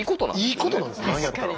いいことなんですなんやったら。